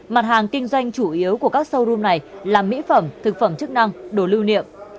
mặt hàng kinh doanh chủ yếu của các showroom này là mỹ phẩm thực phẩm chức năng đồ lưu niệm